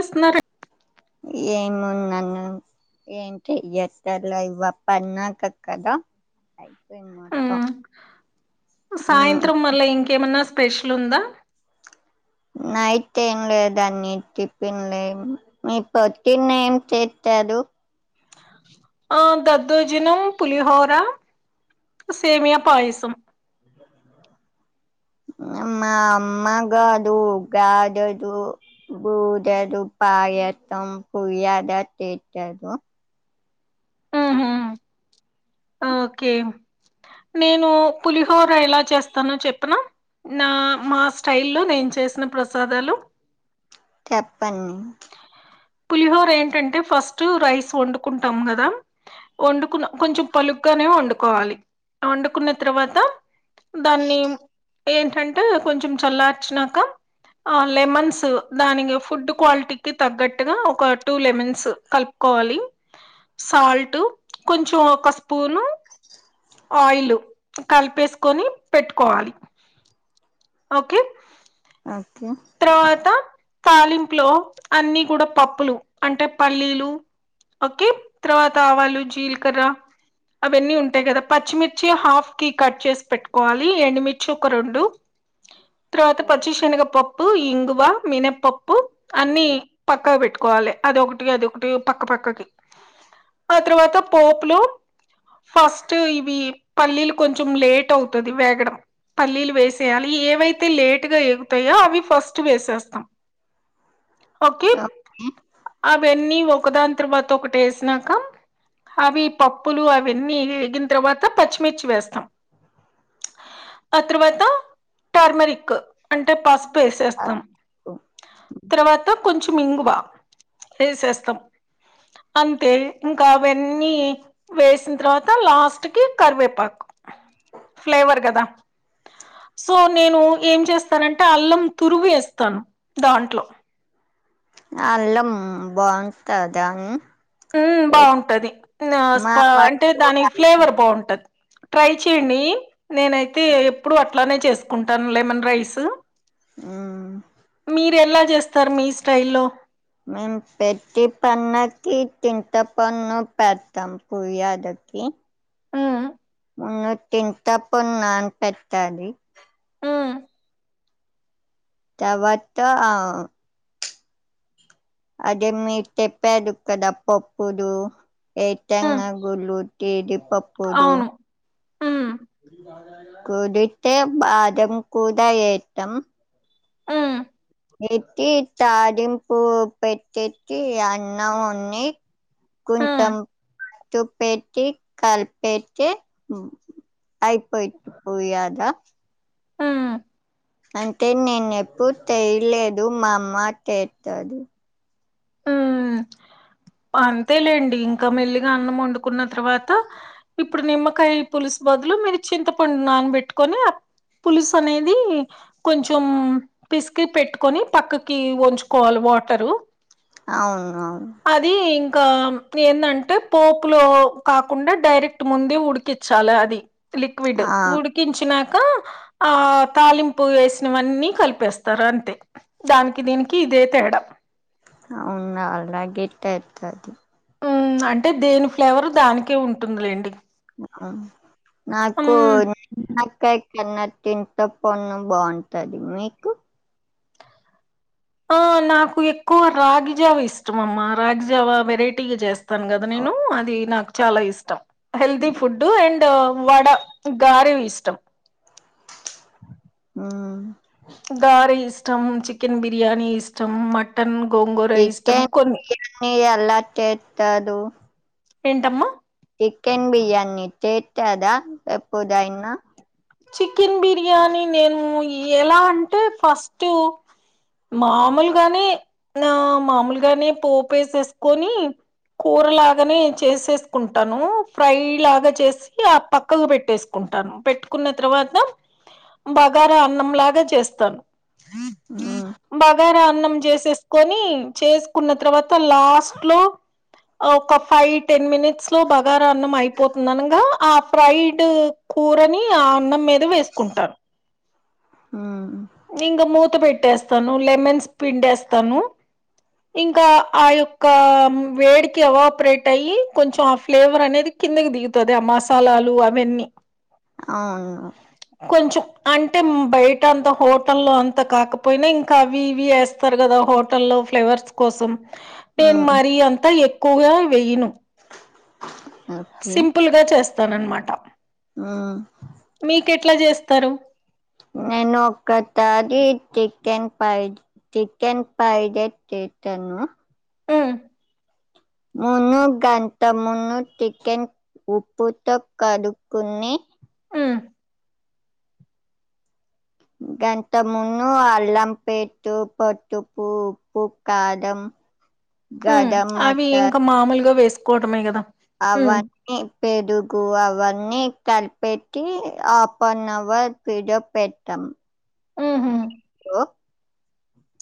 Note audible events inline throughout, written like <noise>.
ఎస్న్నారు ర నన్న ఏంటి ఎత్తల ఇవప్ప అన్నాకక్కదా సాయంత్రం మళ్ళా ఇంకేమన్నా స్పెషల్ ఉందా నయితే ఏం లేదు అన్నీటి పిల్లే మీ పొతున్న ఏం ఏదు ఆ దద్దోజినం పులిహోర సేమయా పయసం అమ్మా అమ్మగాదు గదుదు పొటాటో పాయసం పులిహోర చేశారు ఉహు ఓకే నేను పులిహోర ఎలా చేస్తానో చెప్పనా నా మా స్టై లో నేను చేసిన ప్రసాదాలు చెప్పండి పులిహోర ఏంటంటే ఫస్ట్ రైస్ వండుకుంటాం కదా వండుకున్న కొంచెం పలుగ్గానే వండుకోవాలి వండుకున్న తర్వాత దాన్ని ఏంటంటే కొంచెం చల్లార్చినాక లెమన్స్ దానికి ఫుడ్ క్వాలిటీకిి తగ్గట్టుగా ఒక టూ లెమన్స్ కలుపుకోవాలి సాల్ట్ కొంచెం ఒక స్పూను ఆయిల్ కలిపేసుకొని పెట్టుకోవాలి ఓకే అ తర్వాత తాలింపులో అన్నిీ కూడా పప్పులు అంటే పల్లీలు ఓకే తర్వాత అవాలు జీలకర్ర అవన్నీ ఉంటాయి కదా పచ్చిమిర్చి హాఫ్ కి కట్ చేసి పెట్టుకోవాలి ఎండుమిర్చి ఒక రెండు ఆ తర్వాత పచ్చి శనగపప్పు ఇంగువ మినపప్పు అన్ని పక్కా పెట్టుకో కోవాలి అదొకటి అదొకటి పక్కపక్కకి ఆ తర్వాత పోపులు ఫస్ట్ ఇవి పల్లీలు కొంచెం లేట్ అవుతుది వేగడం పల్లీలు వేసేయాలి ఏవైతే లేట్గా ఎగుతాయో అవి ఫస్ట్ వేసేస్తాం ఓకే అవన్న ఒక దాని తర్వాత ఒకటి వేసినాక అవి పప్పులు అవన్నీ వేగిన తర్వాత పచ్చిమిర్చి వేస్తాం అత్రవాత టర్మరిక్ అంటే పసుపు వేసేస్తాం తర్వాత కొంచెం ఇంగువా వేసేస్తాం అంతే ఇంకా అవన్నీ వేసిన తర్వాత లాస్ట్ కి కరివేపాకు అ ఫ్లేవర్ కదా సో నేను ఏం చేస్తానంటే అల్లం తురుగు వేస్తాను దాంట్లో అల్లం బాగుంటాదాని ఉ బాగుంటది మా అంటే వరకు దాని ఫ్లేవర్ బాగుంటది ట్రై చేయడి నేనైతే ఎప్పుడు అట్లానే చేసుకుంటాను లెమన్ రైస్ ఆ మీరు ఎలా చేస్తారు మీ స్టైల్ లో మేము పెట్టి పన్నకి తింత పన్ను పెడతాం కుర్ద ఆ ఉ ఉన్ తిన్ తప్ప నాన్పెట్టాలి ఉమ్ తవత్త అదే మీరు చెప్పారు కదా పప్పులు ఉమ్ ఎయితంగా గులు జీడి పప్పులు అవును ఉమ్ కూదితే బాదం కూడ ఎత్తం ఉమ్ ఎతి తాడింపు పెట్టెసి అన్నం ఉన్ని ఉమ్ కుంటం తుపేటి కాల్పేటి అయిపోయి పోయాదా ఉమ్ అంటే నేనెప్పుడు తెయలేదు మా అమ్మ చెత్తది ఆ అంతేలేండి ఇంకా మెల్లిగా అన్నం వండుకున్న తర్వాత ఇప్పుడు నిమ్మకాయ పులుస్ బదులు మీరు చింతపండు నానబెట్టుకొని పులుసు అనేది కొంచెం పిసికి పెట్టుకొని పక్కకి వంచుకోవాలి వాటరు అవును అవును అది ఇంకా ఏందంటే పోపు లో కాకుండా డైరెక్ట్ ముంద ఉడికించాలి అది లిక్విడ్ ఆ ఉడికించిన <inaudible> ఆ తాలింపు వేసినవన్నీ కలిపేస్తారు అంతే దానికి దీనికి ఇదే తేడా అవునా అలాగ ఇట్ట ఇతు అది ఉమ్ అంటే దేని ఫ్లేవర్ దానికే ఉంటుంది లేండి ఆ నాకు <unintelligible> కాయ కన్న తింట పన్ను బాగుంటది మీకు ఆ నాకు ఎక్కువ రాగిజావ ఇష్టం అమ్మా రాగిజావ వెరై టీగా చేస్తాను కదా నేను అది నాకు చాలా ఇష్టం హెల్తీ ఫుడ్ అండ్ వడ గారెవి ఇష్టం ఆ గార ఇష్టం చికెన్ బిర్యానీ ఇష్టం మటన్ గోంగూర ఇష్టం చికెన్ కొన్ని బిర్యానీ ఎలా చెత్తరు ఏంటమ్మ చికెన్ బిర్యానీ చెత్తర ఎప్పుడైనా చికెన్ బిర్యానీ నేను ఎలా అంటే ఫస్ట్ మాములుగానే ఆ మాములుగానే పోపేసేసుకొని కూర లాగానే చేసేసుకుంటాను ఫ్రై లాగా చేసి ఆ పక్కకు పెట్టేసుకో టాను పెట్టుకున్న తర్వాత బగారా అన్నంలాగా చేస్తాను ఉ బగారా అన్నం చేసేసుకొని చేసుకున్న తర్వాత లాస్ట్ లో ఒక ఫై టెన్ మినిట్ లో బగార అన్నం అయిపోతుందనగా ఆ ఫ్రైడ్ కూరని ఆ అన్నం మీద వేసుకుంటాను ఉ త పెట్టేస్తాను లెమన్స్ పిండేస్తాను ఇంకా ఆ యొక్క వేడికి అవాపరేట్ అయ్యి కొంచెం ఆ ఫ్లేవర్ అనేది కిందకి దిగుతుంది ఆ మసాలాలు అవన్నీ అవును కొంచెం అంటే బయట అంత హోటల్లో అంత కాకపోయినా ఇంకా అవి ఇవి వేస్తారు కదా హోటల్ లో ఫ్లేవర్స్ కోసం నేను మ్మ్ మరి అంతా ఎక్కువగా వేయ్యను సింపుల్ గా చేస్తాను అనమాట ఆ ఎట్లా చేస్తారు ఆ ననుక్కత అది చికెన్ ఫైడ్ చికెన్ ఫైడ్ తీతాను ఆ ఆ మునుూ గంత మును కెన్ ఉప్పుతో కడుక్కుని ఆ గంత మున్న అల్లం పెట్టు పట్టుపు ఉప్పు కాదం ఉ అవి ఇంకా మామూలుగా వేసుకోవటమే కదా అవన్నీ పెరుగు అవన్నీ తలపెట్టి హఫ్ వన్ అవర్ పీడి పెట్టాం హుహు. హలో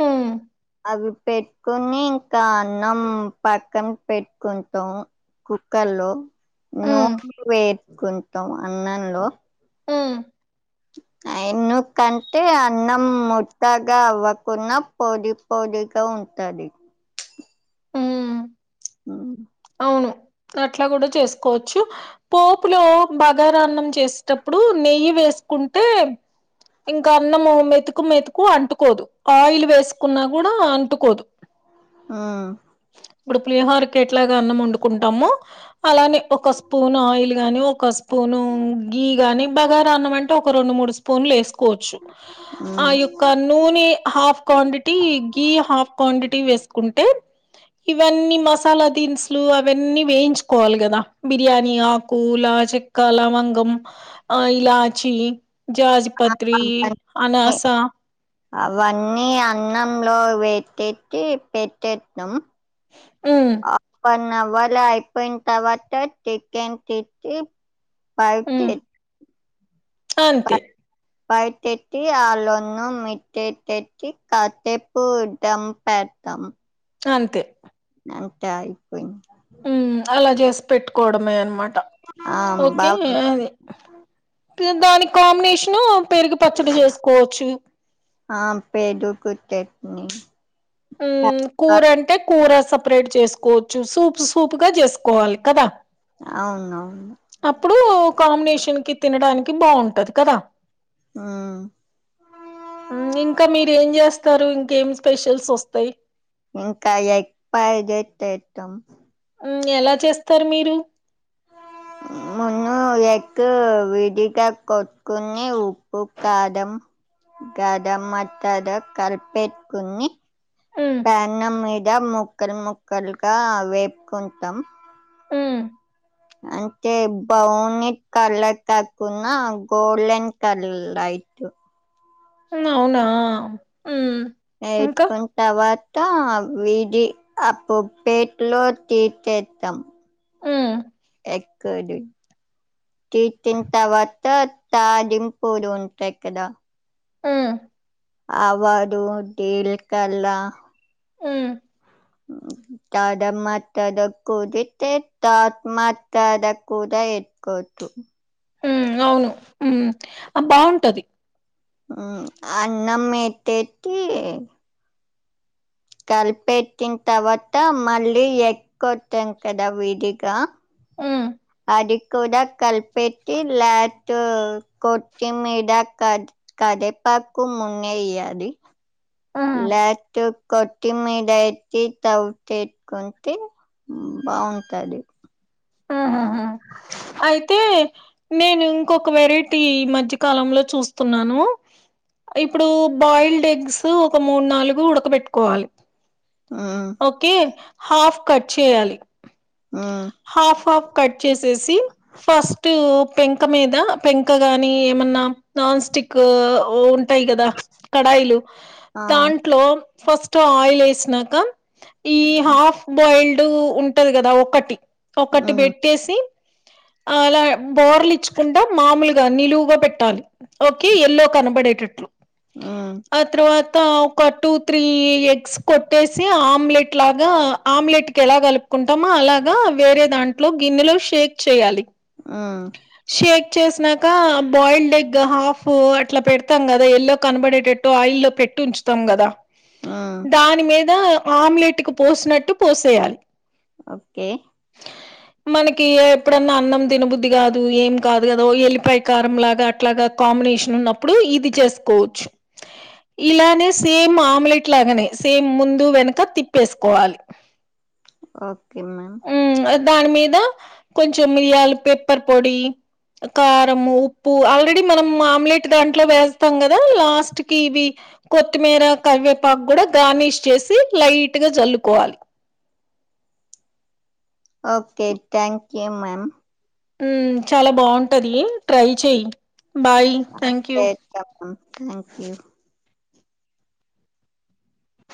హ్మ్. అవి పెట్టుకుని ఇంకా అన్నం పక్కన పెట్టుకుంటాం కుక్కర్ల్లో హ్మ్. నూనె వేసుుకుంటాం అన్నంలో ఆ చె ఎన్న కంటే అన్నం ముట్టాగా అవ్వకుండా పోది పోదిగా ఉంటంది పతది హ్మ్. ఆ అవును. అట్లా కూడా చేసుకోవచ్చు పోపులో బగారాన్నం చేసేటప్పుడు నెయ్యి వేసి కుంటే ఇంకా అన్నము మెతుకు మెతుకు అంటుకోదు ఆయిల్ వేసుకున్నా కూడా అంటుకోదు ఆ ఇప్పుడు పులిహరకి ఎట్లాగా అన్నం వండుకుంటాము అలానే ఒక స్పూన్ ఆయిల్ గాని ఒక స్పూను గీ గాని బగార రాన్నం అే ఒక రెండు మూడు స్పూన్ లేసు కోవచ్చు ఆ యొక్క నూనె హాఫ్ క్వాంటిటీ గి హాఫ్ క్వాంటిటీ వేస్ కుంటే ఇవన్నీ మస్ మసాలా దిన్సులు అవన్నీ వేయించుకోవాలి కదా బిర్యానీ ఆకులా చెక్కాల మంగం ఇలాచి జాజ్పత్ర అవన్నీ అనాసా అవన్నీ అన్నంలో వట్టెట్టి పెట్టెత్తన్నాం ఉమ్ అప్పన్నం త యిపోయింత వా టకెన్ ఫవ్ అ అంతే బయటెట్టి ఆళ్ళన్న మిట్టెటెట్టి కత్ట్టెపుడం పెడతాం అంతే అంతే అయిపోయింది ఉ అలా చేసి పెట్టుకోవడమే అనమాట ఆ ఓకే బాగా అ దానికి కాంబినేషను పేరుకి పచ్చడి చేసుకోవచ్చు అ ఉ కూర అంటే కూర సపరేట్ చేసుకోవచ్చు సూప్ సూప్గా చేసుకోవాలి కదా అవున అవును అప్పుడు కాంబినేషన్ కి తినడానికి బాగుంటది కదా మ్మ్ ఇంకా మీర ఏం చేస్త గరు ఇంకేం స్పెషల్స్ వస్తాయి ఇంకా ఎగ్ పైడెస్ చేచం ఎలా చేస్తారు మీరు ఆ ముందు ఎక్కు విడిగా కొట్టుకుని ఉప్పు కాడం గదం మటడ కల్పేకుని మ్ పెనం మీద ముక్కలు ముక్కలుగా వేపుకుంటాం మ్ అంటే బౌనీ కలర్ కక్కున్నా గోల్డెన్ కలర్ అయి ఇటు అవునా మ్ ఇంకా ఎస్కున్ తవాత విడి ఆ పొప్పేట్లో తీర్చేతం మ్ ఎగ్ కర్రీ తిచిన్ తవత తాదిగ్ పొడి ఉంటాయ్ కదా హ్మ్ అవాడు దీల్కల్ల మ్ తద మాతడ కూదితే త మాతడ కూదై ఎట్కోచు మ్ అవును మ్ బావుంటది అన్నం ఎట్టేటీ కల్పెట్టిన్ తవత మళ్ళీ ఎగ్కొట్టం కదా విడిగా మ్ అది కూడా కల్పెట్టి లాటు కొటి మీడ కా కాడ్ రెపాకు మున్దు ఎయాలి మ్ లాటు కొట్టి మీడ ఎట్టి టవ్ చేసుకుంటే మ్ బావుంటది మ్ హుహు అయితే నేను ఇంకొక వెరైటీ ఈ మధ్యకాలంలో చూస్తున్నాను ఇప్పుడు బాయిల్డ్ ఎగ్స్ ఒక మూడు నాలుగు ఉడకబెట్టుకోవాలి మ్మ్ ఓకే హాఫ్ కట్ చేయాలి మ్మ్ హాఫ్ హాఫ్ కట్ చేసేసి ఫస్టు పెంక మీద పెంక గాని ఏమన్నా నాన్ స్టిక్ ఉంటాయి కదా కడాయిలు ఆ దాంట్లో ఫస్ట్ ఆయిల్ వేసినాక ఈ హాఫ్ బాయిల్డ్ ఉంటది కదా ఒకటి ఒకటి మ్మ్ బెట్టేసి అలా బోర్ల ఇచ్చకుండా మామూలుగా నిలువుగా పెట్టాలి ఓకే ఎల్లో కనబడేటట్లు మ్ తో ఒక టూ త్రీ ఎగ్స్ కొట్టేసి ఆమ్లెట్ లాగా ఆమ్లెట్ కి ఎలా కలుపుకుంటామో అలాగా వేరే దాంట్లో గిన్నెలో షేక్ చేయ్యాలి మ్ చేసినాక బాయిల్డ్ ఎగ్ హాఫ్ అట్లా పెడతాం కదా ఎల్లో కనబడేటట్టు ఆయిల్ పె ట్టి ఉంచుతాం గదా మ్మ్ దాని మీద ఆమ్లెట్ కు పోసినట్టు పోసేయాలి ఓకే మనకి ఎప్పుడన్నా అన్నం తినబుద్ధి కాదు ఏం కాదు కద ఎల్లిపాయ కారం లాగా అట్లాగా కామినే షన్ ఉన్నప్పుడు ఇది చేసుకోవచ్చు ఇలానే సేమ్ ఆమ్లెట్ లాగానే సేమ్ ముందు వెనక తిప్పేసుకోవాలి ఓకే మ్యామ్ ఉమ్, దాని మీద కొంచెం మిరియాల్ పెప్పర్ పొడి కారంము ఉప్పు ఆల్రెడీ మనం ఆమ్లెట్ దాంట్లో వేస్తాం కదా లాస్ట్ కి ఇవి కొత్తిమీర కవేపాకు కూడా గార్నిష్ చేసి లైట్ గా జల్లుకోవాలి ఓకే థ్యాంక్ యూ మ్యామ్ మ్మ్ చాలా బాగుంటది ట్రై చెయ్య్ బాయ్ థ్యాంక్ యూ చేస్తాం మ్యామ్ థ్యాంక్ యూ